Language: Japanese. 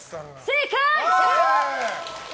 正解！